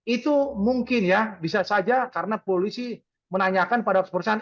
itu mungkin ya bisa saja karena polisi menanyakan pada perusahaan